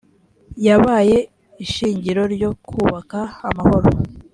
yabaye ishingiro ryo kubaka amahoro